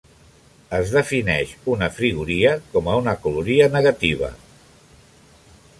Es defineix una frigoria com a una caloria negativa.